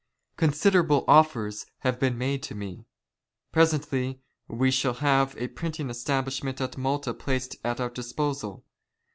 Considerable " offers have been made to me. Presently we shall have a print " ing establishment at Malta placed at our disposal.